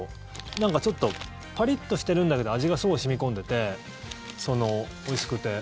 なんかちょっとパリッとしてるんだけど味がすごい染み込んでておいしくて。